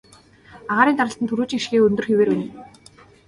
Агаарын даралт түрүүчийнх шигээ өндөр хэвээрээ байна.